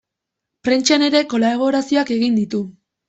Prentsan ere kolaborazioak egin ditu.